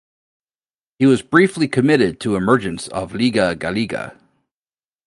He was briefly committed to emergence of Liga Gallega.